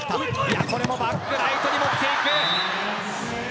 バックライトに持っていく。